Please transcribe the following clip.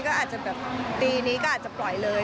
ก็อาจจะปล่อยเลย